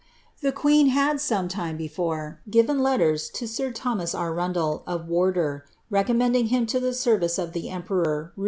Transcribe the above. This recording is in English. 'he queen had, some time before, given letters to sir Thomas Arun* of Wanlour, recommending him to the service of the emperor, Ru« ih U.